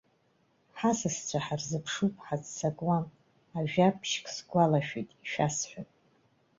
Ҳасасцәа ҳарзыԥшуп, ҳаццакуам, ажәабжьк сгәалашәеит, ишәасҳәап.